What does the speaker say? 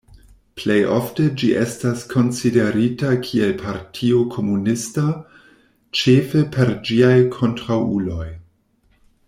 Plej ofte, ĝi estas konsiderita kiel partio komunista, ĉefe per ĝiaj kontraŭuloj.